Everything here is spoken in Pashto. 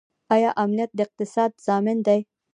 آیا امنیت د اقتصاد ضامن دی؟